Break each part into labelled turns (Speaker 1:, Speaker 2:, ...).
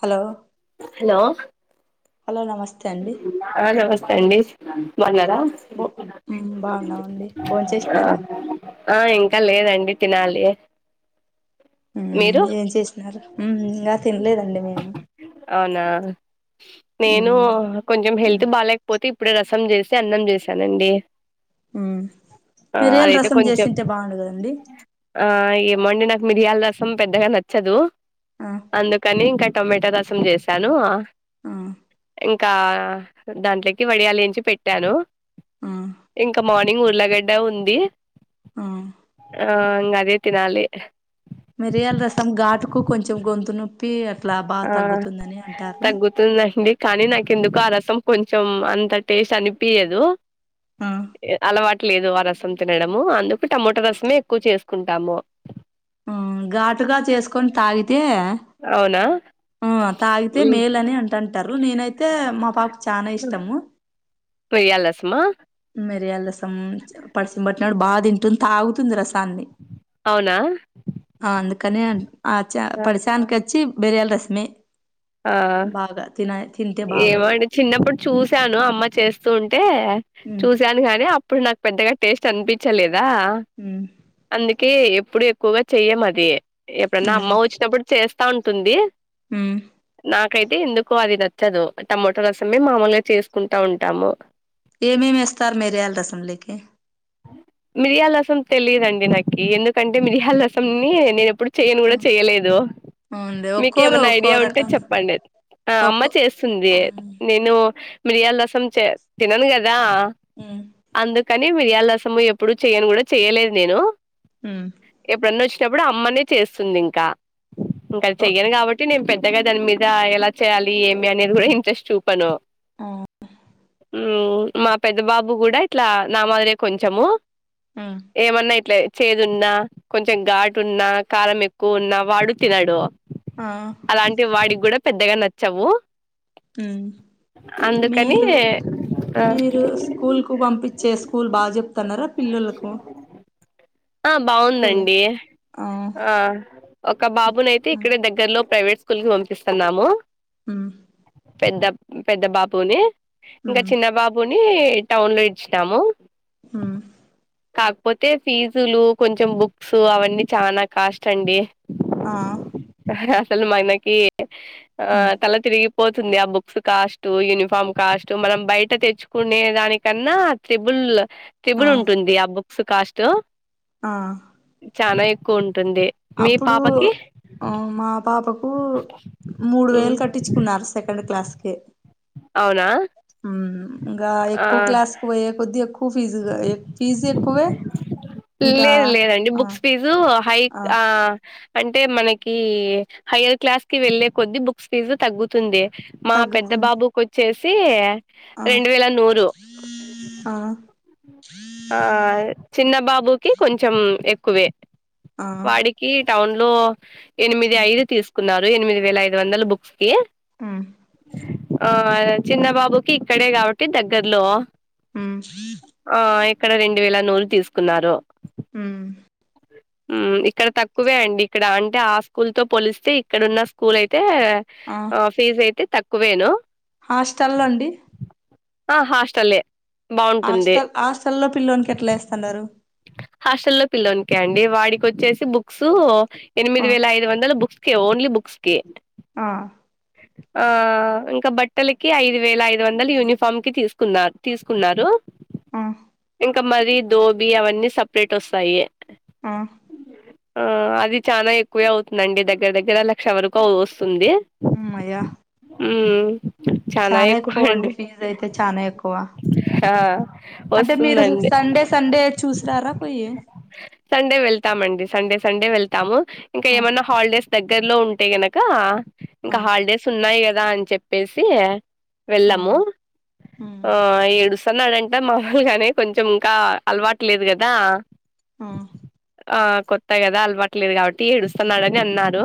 Speaker 1: Hello
Speaker 2: hello
Speaker 1: hello నమస్తే అండి?
Speaker 2: ఆ నమస్తే అండి బావున్నారా?
Speaker 1: బో మ్ బావున్నావుండి బోన్
Speaker 2: ఆ
Speaker 1: చేసినారా?
Speaker 2: ఆ ఇంకా లేదండి తినాలి.
Speaker 1: మ్
Speaker 2: మీరు
Speaker 1: ఏం చేసినారు మ్ ఇంగ తినలేదండి మేము
Speaker 2: అవునా నేను
Speaker 1: మ్
Speaker 2: కొంచెం
Speaker 1: మ్
Speaker 2: హెల్త్ బాలేకపోతే ఇప్పుడే రసం చేసి అన్నం చేసానండి.
Speaker 1: మ్ మిరియల రసం
Speaker 2: కొంచెం
Speaker 1: చేసింటే బావుండు కదండి
Speaker 2: ఆ ఏమొండి నాకు మిరియాల రసం పెద్దగా నచ్చదు.
Speaker 1: ఆ
Speaker 2: అందుకని ఇంకా టొమాటో రసం చేసాను.
Speaker 1: ఆ
Speaker 2: ఇంకా దాంట్లోకి వడియాలేంచి పెట్టాను.
Speaker 1: ఆ
Speaker 2: ఇంక మార్నింగ్ ఉర్లగడ్డ ఉంది.
Speaker 1: ఆ
Speaker 2: ఆ ఇంగ అదే తినాలే
Speaker 1: మిరియాల రసం ఘాటుకు కొంచెం గొంతు నొప్పి అట్లా బాగా తగ్గుతుందని అంటారు.
Speaker 2: వస్తుందండి కానీ నాకేందుకో ఆ రసం కొంచెం అంత టేస్ట్ అనిపియదు.
Speaker 1: ఆ
Speaker 2: అలవా టు లేదు ఆ రసం తినడము అందుకు టమోటో రసమే ఎక్కువ చేసుకుంటాము.
Speaker 1: ఆ ఘాటుగా చేసుకొని తాగితే
Speaker 2: అవునా
Speaker 1: ఆ తాగితే
Speaker 2: హ్మ్.
Speaker 1: మేలని అంటు అంటంటారు నేనైతే మా పాపకు చానా ఇష్టము.
Speaker 2: పోయల్ రాస్మా
Speaker 1: మిరియాల రసం పడిసిం పట్టినపుడు బాగా తింటుంది తాగుతుంది రసాన్ని
Speaker 2: అవునా
Speaker 1: ఆ అందుకని ఆచ పడిశానికి వచ్చి బెరయాల రసమే బాంగా తినయితి
Speaker 2: ఏమండి చిన్నప్పుడు చూశాను అమ్మ చేస్తూ ఉంటే
Speaker 1: ఉమ్
Speaker 2: చూసాను కానీ అప్పుడు నాకు పెద్దగా టేస్ట్ అనిపించలేదా?
Speaker 1: హ
Speaker 2: అందుకే ఎప్పుడు ఎక్కువగా చెయ్యం అది ఎప్పుడన్నా
Speaker 1: ఉమ్
Speaker 2: అమ్మ వచ్చినప్పుడు చేస్తా ఉంటుంది
Speaker 1: హ్మ్
Speaker 2: నాకైతే ఎందుకో అది నచ్చదు టమాటో రసమే మామూలుగా చేసుకుంటా ఉంటాము
Speaker 1: ఏమేమి ఏస్తారు మెరియాల రసంలోకి
Speaker 2: మిరియాల రసం తెలియదండి నాకి ఎందుకంటే మిరియాల రసంని నేను ఎప్పుడు చెయన్
Speaker 1: ఆ,
Speaker 2: కూడా చెయలేదు
Speaker 1: అవునులే
Speaker 2: మీక
Speaker 1: ఒక్కోరు
Speaker 2: ఏమన్నా
Speaker 1: ఒక్కో
Speaker 2: ఐడియా ఉంటే
Speaker 1: రకంగా
Speaker 2: చెప్పండి అమ్మ
Speaker 1: ఒక్కో
Speaker 2: చే స్తుంది
Speaker 1: ఉమ్
Speaker 2: నేను మిరియాల రసం చే తినను కదా
Speaker 1: హ్మ్
Speaker 2: అందుకని మిర్యాల రసము ఎప్పుడు చెయని కూడా చెయలేదు నేను
Speaker 1: హ్మ్
Speaker 2: ఎప్పుడన్న వచ్చినప్పుడు అమ్మనే చేస్తుంది ఇంకా ఇంకా
Speaker 1: ఓ
Speaker 2: చెయ్యను కాబ ట్టి నేను పెద్దగా దాని మీద ఎలా చేయాలి ఏమి అనేది కూడా ఇంట్రెస్ట్ చుపను
Speaker 1: ఆ
Speaker 2: హ్మ్ మా పెద్ద బాబు కూడా ఇట్లా నా మాదిరే కొంచెము
Speaker 1: హ్మ్
Speaker 2: ఏమన్నా ఇట్లే చేదు ఉన్నా కొంచెం ఘాటు ఉన్నా కారాం ఎక్కువ ఉన్నా వాడు తినడు
Speaker 1: ఆ
Speaker 2: అలాంటివి వాడికి కూడా పెద్దగా నచ్చవు
Speaker 1: హ్మ్
Speaker 2: అందుకని ఆ
Speaker 1: మీరు స్కూల్ కు పంపించే స్కూల్ బాగా చెప్తున్నారా పిల్లలకు
Speaker 2: ఆ
Speaker 1: స్కూల్
Speaker 2: బాగుందండి ఆ ఒక బాబునైతే
Speaker 1: ఆ.
Speaker 2: ఇక్కడే దగ్గరలో ప్రైవేట్ స్కూల్ కీ పంపిస్తన్నాము
Speaker 1: హ్మ్
Speaker 2: పెద్ద పెద్ద బాబుని ఇంగా
Speaker 1: ఉమ్
Speaker 2: చిన్న బాబుని టౌన్ లో ఇడిచినాము
Speaker 1: హ్మ్
Speaker 2: కాకపోతే ఫీజులు కొంచెం బుక్స్ అవన్నీ చానా కాస్ట్ అండి
Speaker 1: ఆ
Speaker 2: హ రా అసలు మనకి ఆ తల తిరిగిపోతుంది ఆ బుక్స్ కాస్ట్ యూనిఫామ్ కాస్ట్ మనం బయట తెచ్చుకునే దానికన్నా త్రిబుల్
Speaker 1: ఆ
Speaker 2: త్రిబుల్ ఉంటుంది ఆ బుక్స్ కాస్ట్
Speaker 1: ఆ
Speaker 2: చానా ఎక్కువ ఉంటుంది మీ
Speaker 1: అప్పుడు
Speaker 2: పాపకి
Speaker 1: ఆ మా పాపకు మూడు వేలు కట్టించుకున్నారు స్ సెకండ్ క్లాస్ కే
Speaker 2: అవునా
Speaker 1: హ్మ్ ఇంగా
Speaker 2: ఆ
Speaker 1: ఎక్కువ క్లాస్కీ పోయే కొద్ది ఎక్కు ఎక్కువ ఫీజుగా ఫీజు ఎక్కువే ఇంకా ఆ
Speaker 2: ఇదు హై ఆ అంటే మనకి హయర్ క్లాస్ కి వెళ్లే కొద్ది బుక్స్ ఫీజు తగ్గుతుంది మా పెద్ద
Speaker 1: తగ్గుతుంది
Speaker 2: బాబుకు వచ్చేసి
Speaker 1: ఆ
Speaker 2: రెండు వేల నూరు
Speaker 1: ఆ
Speaker 2: ఆ చిన్న బాబుకి కొంచెం ఎక్కువే
Speaker 1: ఆ
Speaker 2: వాడి కీ టౌన్ లో ఎనిమిది ఐదు తీసుకున్నారు ఎనిమిది వేల ఇదు వందల బుక్స్
Speaker 1: ఉమ్
Speaker 2: ఆ చిన్నబాబుకి ఇక్కడే కాబట్టి దగ్గర్లో
Speaker 1: ఉ
Speaker 2: ఆ ఇక్కడ రెండు వేల నూరు తీసుకున్నారు
Speaker 1: హు
Speaker 2: ఇక్కడ తక్కువే అండి ఇక్కడ అంటే ఆ స్కూల్తో పోలిస్తే ఇక్కడ ఉన్న స్కూల్ అయితే ఆ ఫీజ్ అయితే తక్కువేను
Speaker 1: హాస్టల్లో అండి
Speaker 2: ఆ హాస్టలే బావుంటుంది.
Speaker 1: హాస్టల్ హాస్టల్లో పిల్లోనికి ఎట్లా వేస్తన్నారు
Speaker 2: హాస్టల్లో పిల్లోనికా అండి వాడికి వచ్చేసి బుక్స్ ఎనిమిది
Speaker 1: ఆ
Speaker 2: వేల ఐదు వందల బుక్స్ ఓకే ఓన్లీ బుక్స్ కి
Speaker 1: ఆ
Speaker 2: ఆ ఇంక బట్టలకి ఐదు వేల ఐదు వందలు యూనిఫామ్ కి తీసుకున్నారు తీసుకున్నారు
Speaker 1: ఆ
Speaker 2: ఇంకా మరీ దోబి అవన్నీ సపరేట్ వస్తాయి
Speaker 1: ఆ
Speaker 2: ఆ అది చానా ఎక్కువే అవుతుంది అండి దగ్గర దగ్గర లక్ష వరకు వస్తుంది
Speaker 1: అమ్మయ్యా
Speaker 2: ఉ
Speaker 1: చానా ఎక్కువ అండి ఫీజ్ అయితే చానా ఎక్కువ
Speaker 2: ఆ
Speaker 1: అంటే మీరు
Speaker 2: వస్తుందండి
Speaker 1: సండే సండే చూసారా పోయి
Speaker 2: సండే వెళ్తామండి సండే సండే వెళ్తాము ఇంకా
Speaker 1: ఆ
Speaker 2: ఏమన్నా హాలిడేస్ దగ్గరలో ఉంటే గనక
Speaker 1: ఆ
Speaker 2: ఇంకా హాలిడేస్ ఉన్నాయి కదా అని చెప్పేసి
Speaker 1: ఆ
Speaker 2: వెళ్ళము ఆ ఏడుస్తున్నాడంట మామలుగానే కొంచెం ఇంకా అలవా లేదు గదా
Speaker 1: ఆ
Speaker 2: ఆ కొత్త కదా అలవాట్లేదు కాబట్టి ఏడుస్తున్నాడు అని అన్నారు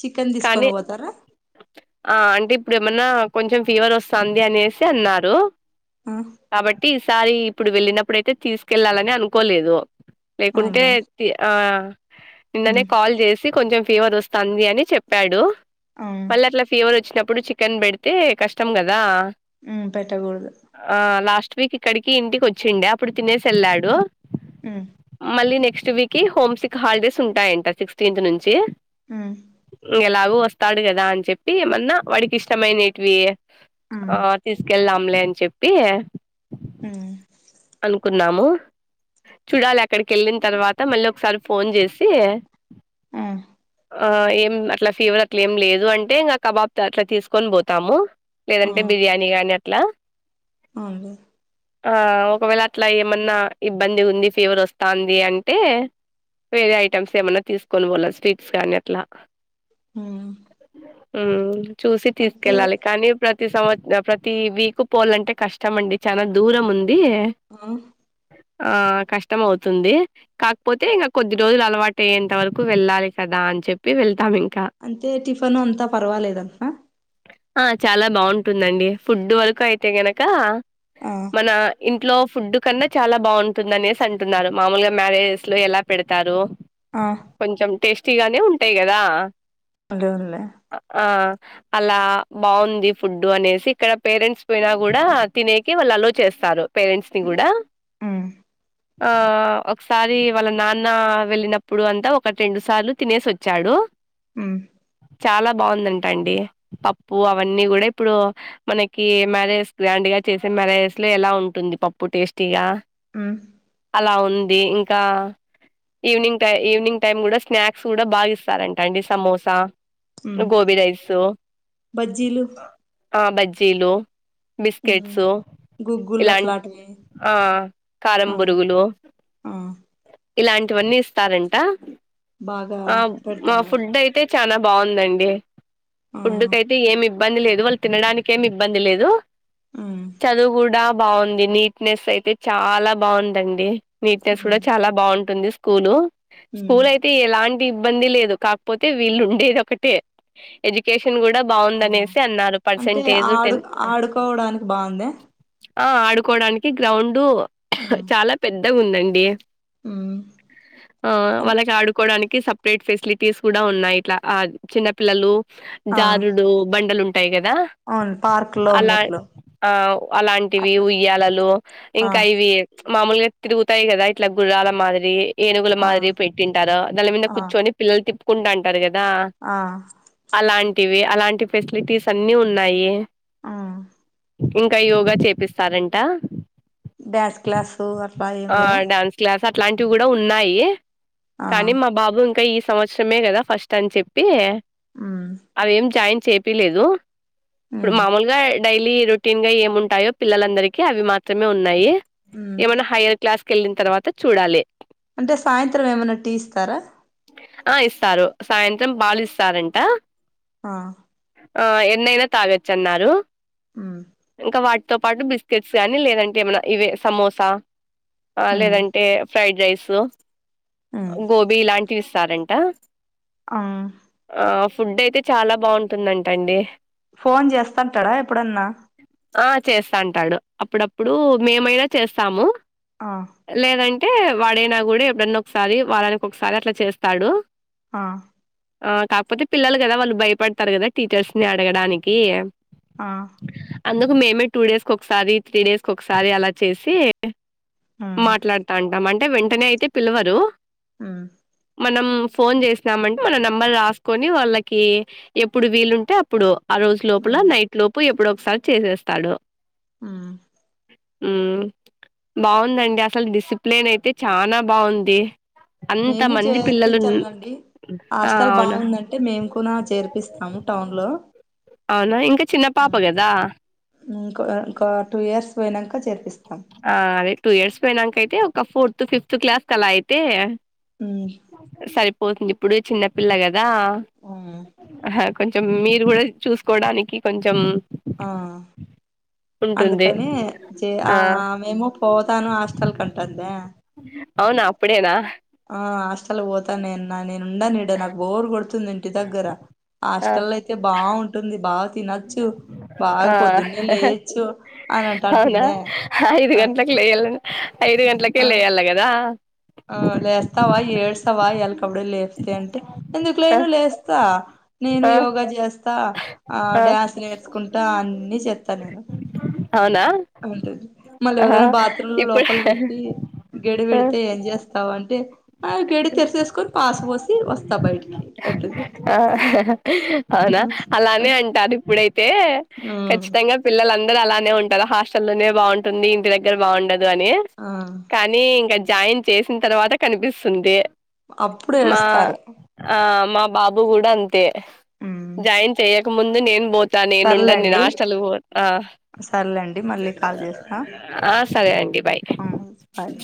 Speaker 1: చికెన్ తీస్కొన్
Speaker 2: కానీ
Speaker 1: పోతారా
Speaker 2: ఆ అంటే ఇప్పుడు ఏమన్నా కొంచెం ఫీవర్ వస్తాంది అనేసి అన్నారు
Speaker 1: ఆ
Speaker 2: కాబట్టి ఈసారి ఇప్పుడు వెళ్ళినప్పుడుయితే తీసుకెళ్ళాలని అనుకోలేదు లేకుంటే
Speaker 1: అవునులే
Speaker 2: ఆ నిన్ననే
Speaker 1: ఉమ్
Speaker 2: కాల్ జేసి కొంచెం ఫీవర్ వస్తాంది అని చెప్పాడు
Speaker 1: ఆ
Speaker 2: మళ్ళ అట్లా ఫీవర్ వచ్చినప్పుడు చికెన్ పెడితే కష్టం కదా
Speaker 1: ఉ పెట్టకూడదు
Speaker 2: లాస్ట్ వీక్ ఇక్కడికి ఇంటికి వచ్చిండే అప్పుడు తినేసి వెళ్ళాడు
Speaker 1: ఆ
Speaker 2: మళ్ళీ నెక్స్ట్ వీక్ హోమ్సిక్ హాలిడేస్ ఉంటాయంట సిక్స్టీన్త్ నుంచి
Speaker 1: ఉ
Speaker 2: ఇంగ ఎలాగో వస్తాడు కదా అని చెప్పి ఏమన్నా వాడికి ఇష్టమైనేటివి
Speaker 1: ఉమ్
Speaker 2: ఆ తీసుకెళ్దాంలే అని చెప్పి
Speaker 1: అ
Speaker 2: అనుకున్నాము చూడాలి అక్కడికి వెళ్ళిన తర్వాత మళ్ళీ ఒకసారి ఫోన్ జేసి
Speaker 1: ఆ
Speaker 2: ఆ ఏం అట్లా ఫీవర్ అట్లా ఏం లేదు అంటే ఇంకా కబాబ్‌త అట్లా తీసుకొని పోతాము లేదంటే బిర్యానీ గాని అట్లా
Speaker 1: అవున్లే
Speaker 2: ఆ ఒకవేళ అట్లా ఏమన్నా ఇబ్బంది ఉంది ఫీవర్ వస్తాంది అంటే వేరే ఐటమ్స్ ఏమన్నా తీసుకొని పోవల్ల స్వీట్స్ కానీ అట్లా
Speaker 1: ఉమ్మ్
Speaker 2: ఉమ్మ్ చూసి తీసుకెళ్ళాలి కానీ ప్రతి సంవ ప్రతి వీక్ పోవాలంటే కష్టమండి చానా దూరం ఉంది
Speaker 1: ఆ
Speaker 2: ఆ కష్టం అవుతుంది కాకపోతే ఇంకా కొద్ది రోజులు అలవాటయ్యేంత వరకు వెళ్లాలి కదా అని చెప్పి వెళ్తాం ఇంకా
Speaker 1: అంతే టిఫన్ అంతా పర్వాలేదంటన
Speaker 2: ఆ చాలా బాగుంటుందండి ఫుడ్ వరకు అయితే గనక
Speaker 1: ఆ
Speaker 2: మన ఇంట్లో ఫుడ్ కన్నా చాలా బాగుంటుంది అనేసి అంటున్నారు మామూలుగా మ్యారేజెస్‌లో ఎలా పెడతారు
Speaker 1: ఆ
Speaker 2: కొంచెం టేస్టీగానే ఉంటాయి కదా
Speaker 1: అదే అవున్లే
Speaker 2: ఆ అలా బాగుంది ఫుడ్డు అనేసి ఇక్కడ పేరెంట్స్ పోయినా కూడా తినే కి వాళ్ళు అలో చేస్తారు పేరెంట్స్‌ని కూడా
Speaker 1: ఉమ్
Speaker 2: ఆ ఒకసారి వాళ్ళ నాన్న వెళ్ళినప్పుడు అంతా ఒకటి రెండు సార్లు తినేసి వచ్చాడు
Speaker 1: ఉమ్మ్
Speaker 2: చాలా బాగుందంటా అండి పప్పు అవన్నీ కూడా ఇప్పుడు మనకి మ్యారేజెస్ గ్రాండ్‌గా చేసే మ్యారేజెస్‌లో ఎలా ఉంటుంది పప్పు టేస్టీగా
Speaker 1: ఉమ్
Speaker 2: అలా ఉంది ఇంకా ఈవినింగ్ టై ఈవినింగ్ టైం కూడా స్నాక్స్ కూడా బాగా ఇస్తారంట అండి సమోసా
Speaker 1: ఉమ్
Speaker 2: గోబి రైస్
Speaker 1: బజ్జీలు
Speaker 2: ఆ బజ్జీలు
Speaker 1: ఉమ్
Speaker 2: బిస్కెట్సు
Speaker 1: గుగ్గులు
Speaker 2: ఇలాం
Speaker 1: అట్లాంటివి
Speaker 2: ఆ కారం
Speaker 1: ఆ
Speaker 2: బురుగులు
Speaker 1: ఆ
Speaker 2: ఇలాంటివన్నీ ఇస్తారంట
Speaker 1: బాగా
Speaker 2: ఆ మా
Speaker 1: పెడుతున్నారు
Speaker 2: ఫుడ్ అయితే చానా బాగుందండి
Speaker 1: ఆ
Speaker 2: ఫుడ్డుకి అయితే ఏమి ఇబ్బంది లేదు వాళ్ళు తినడానికి ఏమి ఇబ్బంది లేదు
Speaker 1: ఉమ్మ్
Speaker 2: చదువు కూడా బాగుంది నీట్నెస్ అయితే చాలా బాగుందండి నీట్నెస్
Speaker 1: ఉమ్
Speaker 2: కూడా చాలా బాగుంటుంది స్కూల్
Speaker 1: ఉమ్
Speaker 2: స్కూల్ అయి తే ఎలాంటి ఇబ్బంది లేదు కాకపోతే వీళ్ళు ఉండేది ఒకటే ఎడ్యుకేషన్ కూడా
Speaker 1: ఆ
Speaker 2: బాగుందనేసి అన్నారు
Speaker 1: అంటే
Speaker 2: పర్సంటేజ్
Speaker 1: ఆడు
Speaker 2: టెన్ అ
Speaker 1: ఆడుకోవడానికి బాగుందా
Speaker 2: ఆ ఆడుకోడానికి గ్రౌండ్
Speaker 1: ఉమ్
Speaker 2: చాలా పెద్దగా ఉందండి
Speaker 1: ఉమ్
Speaker 2: ఆ
Speaker 1: అన్-
Speaker 2: వాళ్ళకి ఆడుకోడానికి స ప్రేట్ ఫెసిలిటీస్ కూడా ఉన్నాయి ఇట్లా ఆ చిన్న పిల్లలు
Speaker 1: ఆ
Speaker 2: జారుడు బండలుం టయి కదా
Speaker 1: అవును పార్క్ లో
Speaker 2: అలా
Speaker 1: ఉన్నట్లు
Speaker 2: ఆ అలాంటివి
Speaker 1: అట్లా
Speaker 2: ఉయ్యాలలు
Speaker 1: ఆ
Speaker 2: ఇంకా ఇవి మామూలుగా తిరుగుతాయి కదా ఇట్లా గుర్రాల మాదిరి ఏనుగుల
Speaker 1: ఆ
Speaker 2: మాదిరి పెట్టింటారు దాని మీద
Speaker 1: ఆ
Speaker 2: కూర్చొని పిల్లలు తిప్పుకుంటు అంటారు కదా
Speaker 1: ఆ
Speaker 2: అలాంటివి అలాంటి ఫెసిలిటీస్ అన్నీ ఉన్నాయి
Speaker 1: ఆ
Speaker 2: ఇంక యోగా చేపిస్తారంట
Speaker 1: డ్యాన్స్ క్లాసు అట్
Speaker 2: ఆ డ్యాన్స్ క్లాస్ అట్లాంటివి కూడ ఉన్నాయి
Speaker 1: ఆ
Speaker 2: కానీ మా బాబు ఇంక ఈ సంవత్సరమే కద ఫస్ట్ అని చెప్పి
Speaker 1: ఉమ్
Speaker 2: అవేం జాయిన్ చేపిలేదు ఇప్పుడు
Speaker 1: ఉమ్
Speaker 2: మామూలుగ డైలీ రొటీన్ గ ఏముంటాయో పిల్లలందరికీ అవి మాత్రమే ఉన్నాయి
Speaker 1: ఉమ్
Speaker 2: ఏమైన్న హైయ్యర్ క్లాస్ కెళ్ళిన తర్వాత చూడాలి
Speaker 1: అంటె సాయంత్రం ఏమైన్న టీ ఇస్తార
Speaker 2: ఆ ఇస్తారు సాయంత్రం పాలు ఇస్తారంట
Speaker 1: ఆ
Speaker 2: ఆ ఎన్నైన తాగొచ్చ అన్నారు
Speaker 1: ఉమ్
Speaker 2: ఇంక వాటితో పాటు బిస్కెట్స్ కాని లేదంటే ఏమైన ఇవే సమోసా
Speaker 1: ఉమ్
Speaker 2: లేదంటే ఫ్రైడ్ రైస్
Speaker 1: ఉమ్
Speaker 2: గోబీ ఇలాంటివి ఇస్తారంట
Speaker 1: ఆ
Speaker 2: ఆ ఫుడ్ అయితే చాల బాగుంటుందంట అండి
Speaker 1: ఫోన్ చేస్తాంటడ ఎప్పుడన్న
Speaker 2: ఆ చేస్తాంటాడు అప్పుడప్పుడు మేమైన చేస్తాము
Speaker 1: ఆ
Speaker 2: లేదంటే వాడైన కూడ ఎప్పుడన్న ఒకసారి వారానికి ఒకసారి అట్ల చేస్తాడు
Speaker 1: ఆ
Speaker 2: ఆ కాకపోతే పిల్లలు కద వాళ్ళు భయపడతారు కద టీచర్స్ ని అడగడానికి
Speaker 1: ఆ
Speaker 2: అందుకు మేమే టూ డేస్ క ఒకసారి త్రీ డేస్ ఒకసారి అలా చేసి
Speaker 1: ఆ
Speaker 2: మాట్లాడుతా అంటాం అంటే వెంటనే అయితే పిలవరు
Speaker 1: ఉమ్
Speaker 2: మనం ఫోన్ చేసినామ్ అంటె మన నంబర్ రాసుకొని వాళ్ళకి ఎప్పుడు వీలుంటే అప్పుడు ఆ రోజు లోపల
Speaker 1: ఉమ్
Speaker 2: నైట్ లోపు ఎప్పుడు ఒకసారి చేసేస్తాడు
Speaker 1: ఉమ్
Speaker 2: ఊమ్ బాగుందండి అసలు డిసిప్లేన్ అయితే చాల బాగుంది అంత
Speaker 1: మేము
Speaker 2: మంది పిల్లలున్
Speaker 1: చేర్పించాలండి
Speaker 2: ఆ అవున
Speaker 1: అంటె మేము కూనా చేర్పిస్తాము టౌన్ లో
Speaker 2: అవున ఇంకా చిన్న పాప కదా
Speaker 1: ఇంక ఇంకా టూ ఇయర్స్ పోయినంక చేర్పిస్తాం
Speaker 2: ఆ అదే టూ ఇయర్స్ పోయినంక అయితే ఒక ఫోర్త్ ఫిఫ్త్ క్లాస్ క్ అలా అయితే
Speaker 1: ఉమ్
Speaker 2: సరిపోతుంది ఇప్పుడే చిన్నపిల్ల కదా
Speaker 1: ఊమ్
Speaker 2: ఆహ్ కొంచెం మీరు కూడ చూసుకోడానికి కొంచెం
Speaker 1: ఆ
Speaker 2: ఉంటుంది
Speaker 1: అందుకని జె ఆ మేము పోతాను హాస్టల్ కంటుందా
Speaker 2: అవున అప్పుడేనా
Speaker 1: ఆ హాస్టల్ పోతాను నేను న నేను ఉండను ఇడ నాకు బోర్ కొడుతుంది ఇంటి దగ్గర
Speaker 2: ఆ
Speaker 1: హాస్టల్ అయితే బావు టుంది బాగా తినొచ్చు బాగా
Speaker 2: ఆ
Speaker 1: పొద్దున్నే లెయచ్చు అని
Speaker 2: అవునా
Speaker 1: అంటంటుందే
Speaker 2: ఐదు గంటల్కు లేయాలని ఐదు గంటల్కే
Speaker 1: ఆ
Speaker 2: లేయాలి కదా
Speaker 1: ఆ లేస్తావా ఏడుస్తావా ఎళ్ కవుడేలే స్తే అంటే
Speaker 2: ఆ
Speaker 1: ఎందుకులేను లేస్తా నేను
Speaker 2: ఆ
Speaker 1: యోగా చేస్ స్తా ఆ డ్యాన్స్ నేర్చుకుంటా అన్ని చేత్త నేను
Speaker 2: అవునా
Speaker 1: ఉంటంది మళ్ళీ
Speaker 2: ఆ
Speaker 1: ఎవరైనా బాత్రూమ్
Speaker 2: ఇప్పుడు
Speaker 1: లోపల పెట్టి గెడి పెడితే ఏం చేస్ స్తావ్ అంటే ఆ గేడి తెరిసేసుకొని పాసు పోసి వస్తా బయటికి అంటది
Speaker 2: అవునా అలానే అంటారు ఇప్పుడైతే
Speaker 1: ఉమ్
Speaker 2: ఖచ్చితంగా పిల్లలందరు అలానే ఉంటారు హాస్టల్లో లోనే బావుంటుంది ఇంటి దగ్గర బావుండదు అని
Speaker 1: ఆ
Speaker 2: కానీ ఇంకా జాయిన్ చేసిన తర్వాత కనిపిస్తుంది
Speaker 1: అప్పుడు
Speaker 2: మా
Speaker 1: ఏడుస్తారు
Speaker 2: ఆ మా బాబు కూడా అంతే
Speaker 1: ఉమ్
Speaker 2: జాయిన్ చెయ్యక ముందు నేను బోత్ తా నేను ఉండను నేను
Speaker 1: సర్లేండి
Speaker 2: హాస్టల్ పోతా
Speaker 1: సర్లేండి మళ్ళీ కాల్ చేస్తా
Speaker 2: ఆ సరే అండి బాయ్
Speaker 1: ఉమ్ బాయ్